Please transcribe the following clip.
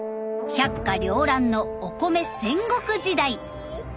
百花繚乱のお米戦国時代！